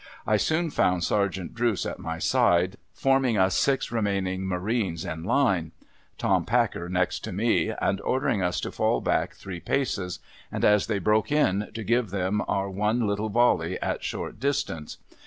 I soon found Sergeant Drooce at my side, forming us six remaining marines in line — Tom Packer next to me — and ordering us to fall back three paces, and, as they l)roke in, to give them our one little volley at short distance.